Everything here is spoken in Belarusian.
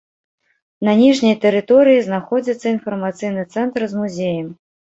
На ніжняй тэрыторыі знаходзіцца інфармацыйны цэнтр з музеем.